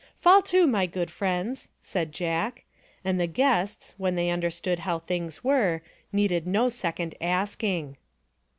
" Fall to, my good friends," said Jack, and the guests, when they understood how things were, needed no second asking.